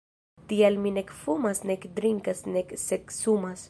Tial mi nek fumas nek drinkas nek seksumas!